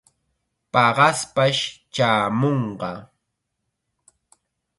Paqaspash chaamunqa.